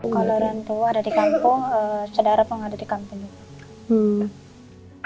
kalau orang tua ada di kampung saudara pun ada di kampung juga